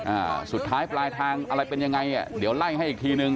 อ่าสุดท้ายปลายทางอะไรเป็นยังไงอ่ะเดี๋ยวไล่ให้อีกทีนึง